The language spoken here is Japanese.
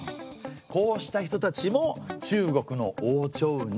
こうした人たちも中国の王朝に。